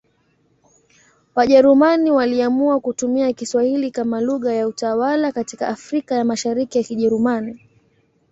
Wajerumani waliamua kutumia Kiswahili kama lugha ya utawala katika Afrika ya Mashariki ya Kijerumani.